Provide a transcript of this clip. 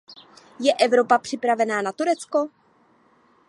Je Evropa připravená na Turecko?